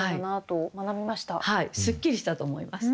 すっきりしたと思います。